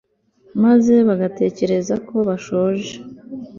maze bagatekereza ko bashonje